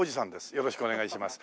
よろしくお願いします。